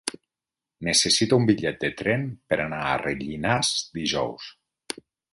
Necessito un bitllet de tren per anar a Rellinars dijous.